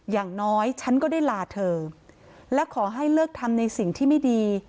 อย่างน้อยฉันก็ได้ลาเธอและขอให้เลิกทำในสิ่งที่ไม่ดี